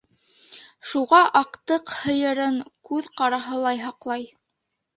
Шуға аҡтыҡ һыйырын күҙ ҡараһылай һаҡлай.